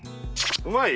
うまい？